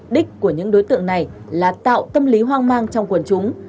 đích của những đối tượng này là tạo tâm lý hoang mang trong quần chúng